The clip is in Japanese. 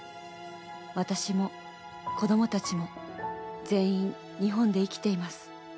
私も子供たちも全員日本で生きています。